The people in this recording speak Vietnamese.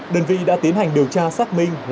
đơn vị đã tiến hành điều tra xác minh